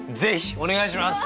お願いします。